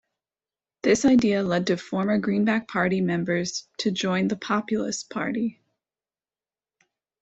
This idea led to former Greenback Party members to join the Populist Party.